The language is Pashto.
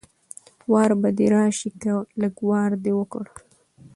وار به دې راشي که لږ وار دې وکړ